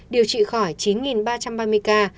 điều trị khỏi chín ba trăm ba mươi ca